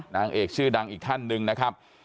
นางเอกชื่อดังอีกท่านหนึ่งนะครับ